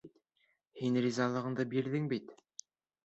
Һин ризалығыңды бирҙең бит.